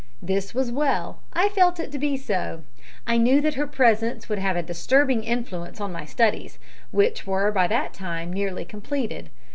This was well. I felt it to be so. I knew that her presence would have a disturbing influence on my studies, which were by that time nearly completed.